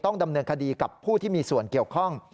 ดำเนินคดีกับผู้ที่มีส่วนเกี่ยวข้อง